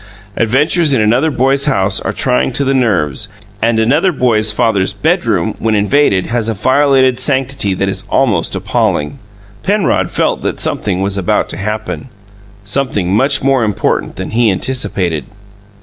Adventures in another boy's house are trying to the nerves; and another boy's father's bedroom, when invaded, has a violated sanctity that is almost appalling. Penrod felt that something was about to happen something much more important than he had anticipated.